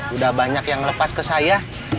udah banyak yang lepas ke saya